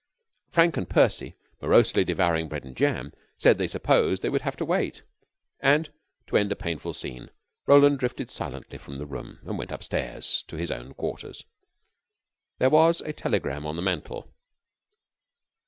Frank and Percy, morosely devouring bread and jam, said they supposed they would have to wait. And, to end a painful scene, Roland drifted silently from the room, and went up stairs to his own quarters. There was a telegram on the mantel.